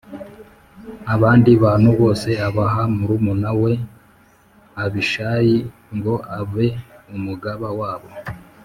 Abandi bantu bose abaha murumuna we Abishayi ngo abe umugaba wabo